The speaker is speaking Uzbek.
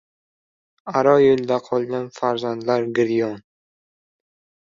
Aro yo‘lda qolgan farzandlar giryon